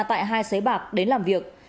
tại hai xế bạc đến làm việc